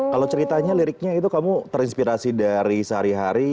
kalau ceritanya liriknya itu kamu terinspirasi dari sehari hari